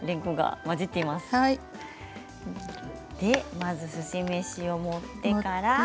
まずすし飯を盛ってから。